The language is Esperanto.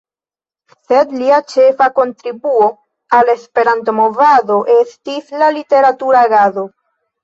Sed lia ĉefa kontribuo al la Esperanto-movado estis la literatura agado.